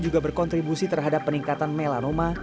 juga berkontribusi terhadap peningkatan melanoma